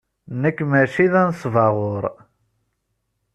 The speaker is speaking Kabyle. Nekk maci d anesbaɣur.